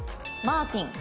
マーティン。